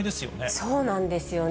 そうなんですよね。